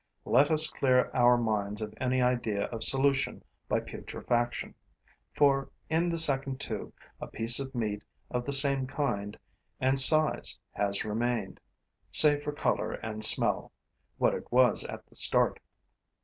Let us clear our minds of any idea of solution by putrefaction, for in the second tube a piece of meat of the same kind and size has remained, save for color and smell, what it was at the start.